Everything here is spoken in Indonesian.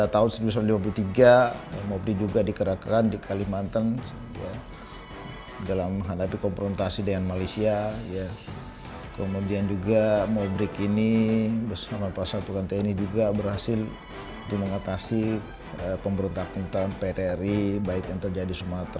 tempat akhir saya untuk mati